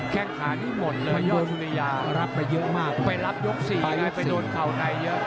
แค่งขานี่หมดเลยยอดสุริยารับไปเยอะมากไปรับยก๔ไงไปโดนเข่าในเยอะ